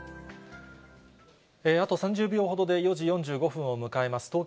あと３０秒ほどで、４時４５分を迎えます。